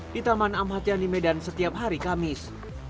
di taman amhat yani medan setiap hari kamis